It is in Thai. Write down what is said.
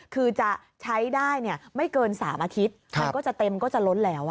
คือจะใช้ได้ไม่เกิน๓อาทิตย์มันก็จะเต็มก็จะล้นแล้ว